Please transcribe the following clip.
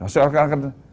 soal akan akan